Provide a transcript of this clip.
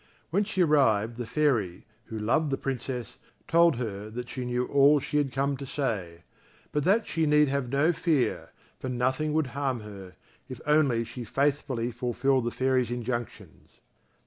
When she arrived the Fairy, who loved the Princess, told her that she knew all she had come to say, but that she need have no fear, for nothing would harm her if only she faithfully fulfilled the Fairy's injunctions.